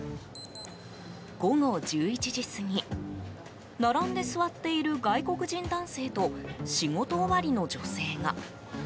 午後１１時過ぎ並んで座っている外国人男性と仕事終わりの女性が。